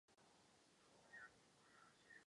Jedna z nich otěhotněla a porodila čtyři syny.